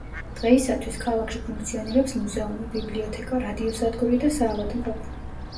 დღეისათვის, ქალაქში ფუნქციონირებს მუზეუმი, ბიბლიოთეკა, რადიოსადგური და საავადმყოფო.